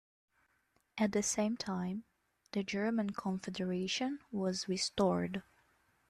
At the same time, the German Confederation was restored.